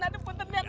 aduh bentar den